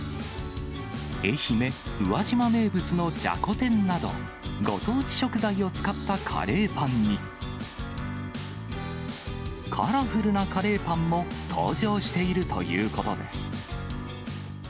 愛媛・宇和島名物のじゃこ天など、ご当地食材を使ったカレーパンに、カラフルなカレーパンも登場しているということです。